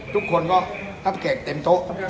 ทุกคนก็ทับแจกเต็มโต๊ะ